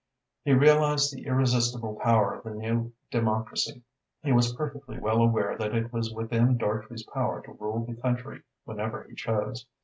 He realised the irresistible power of the new democracy. He was perfectly well aware that it was within Dartrey's power to rule the country whenever he chose.